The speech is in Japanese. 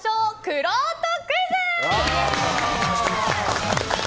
くろうとクイズ！